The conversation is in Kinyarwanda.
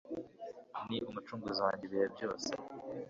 ni umucunguzi wanjye ibihe byose